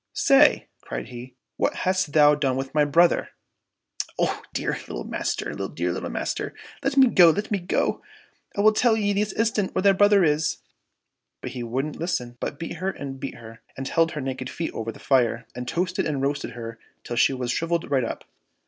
" Say," cried he, " what hast thou done with my brother }"—'' Oh, dear little master ! dear little master ! let me go, let me go ! I'll tell thee this instant where thy brother is." But he wouldn't listen, but beat her and beat her, and held her naked feet over the fire, and toasted and roasted her till she shrivelled right up.